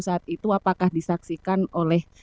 saat itu apakah disaksikan oleh